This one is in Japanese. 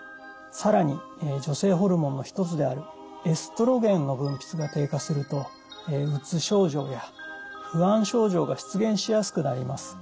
更に女性ホルモンの一つであるエストロゲンの分泌が低下するとうつ症状や不安症状が出現しやすくなります。